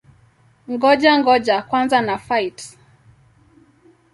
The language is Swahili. Ngoja-ngoja kwanza na-fight!